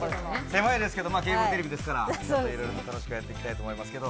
狭いですけどケーブルテレビですからいろいろと楽しくやっていきたいと思いますけど。